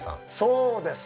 そうです